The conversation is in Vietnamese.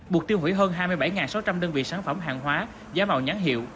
buộc tiêu hủy hơn hai mươi bảy sáu trăm linh đơn vị sản phẩm hàng hóa giả mạo nhãn hiệu